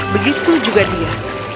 begitu juga dia